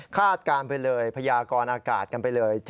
การไปเลยพยากรอากาศกันไปเลย